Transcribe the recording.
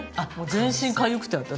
全身かゆくて私。